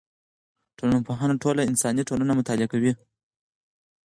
ټولنپوهنه ټوله انساني ټولنه مطالعه کوي.